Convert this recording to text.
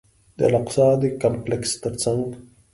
د الاقصی د کمپلکس تر څنګ.